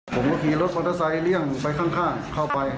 ผมก็ขี่รถมอเตอร์ไซค์เลี่ยงไปข้างเข้าไป